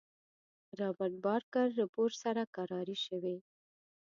رابرټ بارکر رپوټ سره کراري شوې.